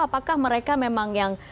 apakah mereka memang yang